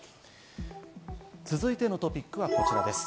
続いてのトピックはこちらです。